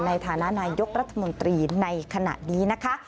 ในฐานะนายกรัฐมนตรีในขณะนี้นะคะ